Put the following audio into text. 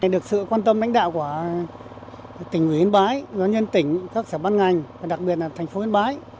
được sự quan tâm đánh đạo của tỉnh nguyễn yên bái doanh nhân tỉnh các sở bán ngành và đặc biệt là thành phố yên bái